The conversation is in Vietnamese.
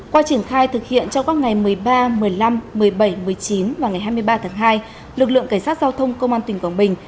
qua triển khai thực hiện trong các ngày một mươi ba một mươi năm một mươi bảy một mươi chín và ngày hai mươi ba tháng hai lực lượng cảnh sát giao thông công an tỉnh quảng bình